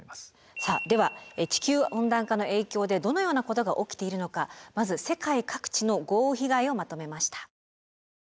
さあでは地球温暖化の影響でどのようなことが起きているのかまず世界各地の豪雨被害をまとめました。